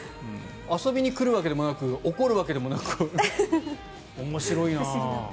遊びに来るわけでも怒るわけでもなく面白いな。